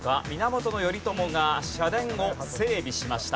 源頼朝が社殿を整備しました。